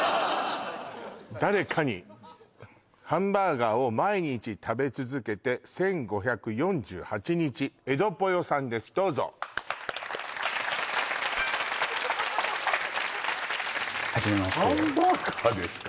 誰かにハンバーガーを毎日食べ続けて１５４８日えどぽよさんですどうぞはじめましてハンバーガーですか？